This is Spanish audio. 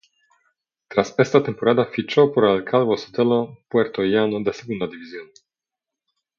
Tras esta temporada fichó por el Calvo Sotelo Puertollano de Segunda División.